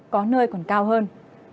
có nơi còn cao hơn